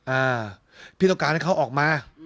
อ่าพี่ต้องการให้เขาออกมา